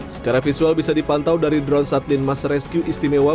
secara visual bisa dipantau dari drone satlin master rescue istimewa